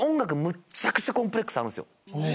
むっちゃくちゃコンプレックスあるんすよ。